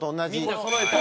みんなそろえたんや。